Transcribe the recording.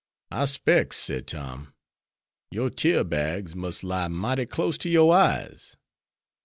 "I specs," said Tom, "your tear bags must lie mighty close to your eyes.